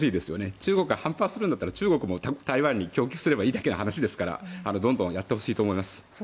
中国は反発するんだったら中国も台湾に供給すればいいだけの話ですからどんどんやってほしいと思います。